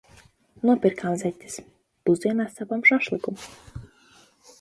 Nopirkām zeķes. Pusdienās cepam šašliku.